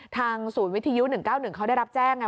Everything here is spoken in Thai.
ทางศูนย์วิทยุ๑๙๑เขาได้รับแจ้งไง